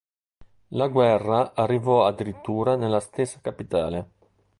La guerra arrivò addirittura nella stessa capitale.